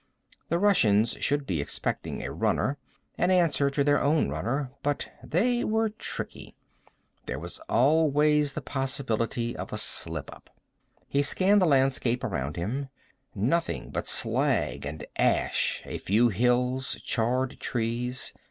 The Russians should be expecting a runner, an answer to their own runner, but they were tricky. There was always the possibility of a slipup. He scanned the landscape around him. Nothing but slag and ash, a few hills, charred trees.